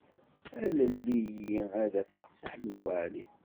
Alel-iyi ad d-afeɣ Si Ḥmed Waɛli.